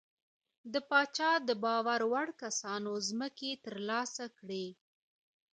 د پاچا د باور وړ کسانو ځمکې ترلاسه کړې.